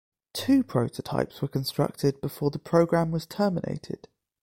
Two prototypes were constructed before the program was terminated.